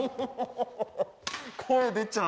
声出ちゃう。